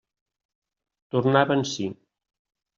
Tornava en si.